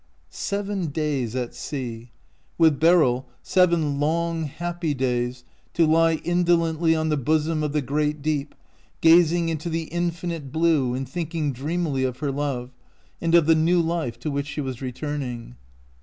Seven days at sea ! With Beryl, seven long, *happy days to lie indolently on the bosom of the great deep, gazing into the infinite blue, and thinking dreamily of her love, and , of the new life to which she was returning.